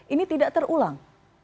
ini tidak terulang